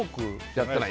やってない？